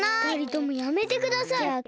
ふたりともやめてください。